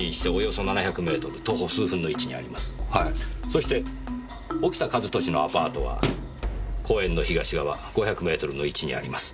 そして沖田一俊のアパートは公園の東側５００メートルの位置にあります。